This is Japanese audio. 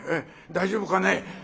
大丈夫かね？